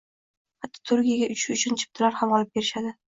Hatto, Turkiyaga uchish uchun chiptalar ham olib berishadi